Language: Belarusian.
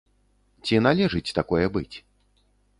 Ці належыць такое быць?